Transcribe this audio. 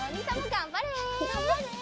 がんばれ！